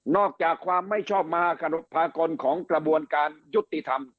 อกจากความไม่ชอบมาภากลของกระบวนการยุติธรรม